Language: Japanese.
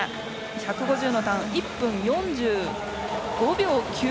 １５０のターン、１分４５秒９９。